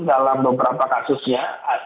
dalam beberapa kasusnya